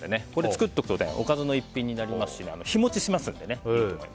作っておくとおかずの１品になりますし日持ちしますのでね。